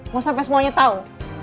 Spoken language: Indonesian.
mau sampai semuanya tau